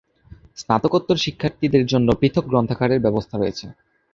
স্নাতকোত্তর শিক্ষার্থীদের জন্য পৃথক গ্রন্থাগারের ব্যবস্থা রয়েছে।